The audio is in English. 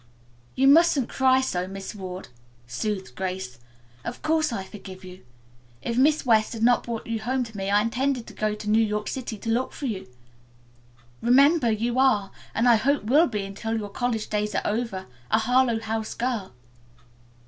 "You mustn't cry so, Miss Ward," soothed Grace. "Of course I forgive you. If Miss West had not brought you home to me I intended to go to New York City to look for you. Remember, you are, and I hope will be until your college days are over, a Harlowe House girl."